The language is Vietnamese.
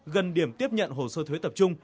gần điểm tiếp nhận hồ sơ thuế tập trung